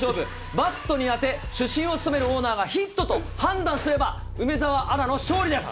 バットに当て、主審を務めるオーナーがヒットと判断すれば、梅澤アナの勝利です。